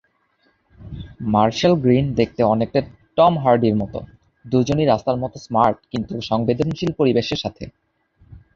Marshall-Green দেখতে অনেকটা Tom হার্ডির মতো, দুজনই রাস্তার মতো স্মার্ট-কিন্তু সংবেদনশীল পরিবেশের সাথে।